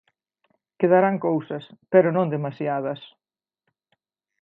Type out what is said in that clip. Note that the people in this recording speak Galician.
Quedarán cousas, pero non demasiadas.